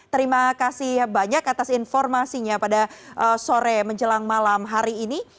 terima kasih banyak atas informasinya pada sore menjelang malam hari ini